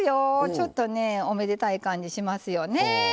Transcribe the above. ちょっとねおめでたい感じしますよね。